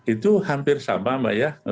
itu hampir sama mbak ya